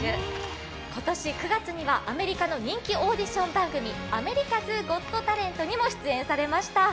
今年９月にはアメリカの人気オーディンション番組「アメリカズ・ゴッド・タレント」にも出演されました。